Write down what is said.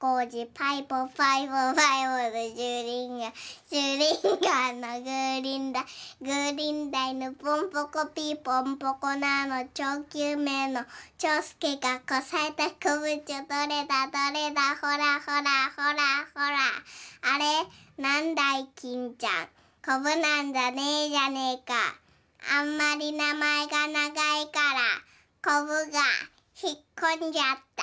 パイポパイポパイポのシューリンガンシューリンガンのグーリンダイグーリンダイのポンポコピーのポンポコナのちょうきゅうめいのちょうすけがこさえたこぶちゃどれだどれだほらほらほらほらあれなんだいきんちゃんこぶなんかねえじゃねえかあんまりなまえがながいからこぶがひっこんじゃった」。